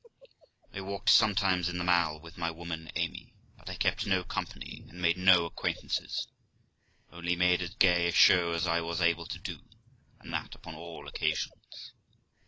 I walked sometimes in the Mall with my woman Amy, but I kept no company and made no acquaintances, only made as gay a show as I was able to do, and that upon all occasions.